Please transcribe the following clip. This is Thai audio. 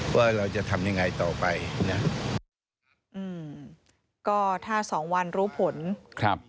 ว่าเราจะทำยังไงต่อไปนะอืมก็ถ้าสองวันรู้ผลครับ